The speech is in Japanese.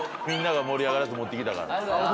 みんなが盛り上がるやつ持ってきたから。